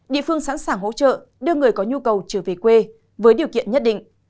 địa phương sẵn sàng hỗ trợ đưa người có nhu cầu trở về quê với điều kiện nhất định